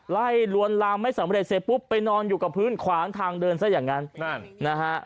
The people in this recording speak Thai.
ลวนลามไม่สำเร็จเสร็จปุ๊บไปนอนอยู่กับพื้นขวางทางเดินซะอย่างนั้นนั่นนะฮะ